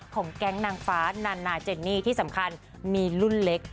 แก๊งนางฟ้านานาเจนนี่ที่สำคัญมีรุ่นเล็ก